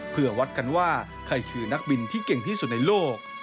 เพื่อวัดกันว่าใครคือนักบินที่เก่งที่สุดในโลก